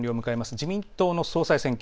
自民党の総裁選挙。